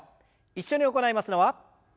一緒に行いますのは。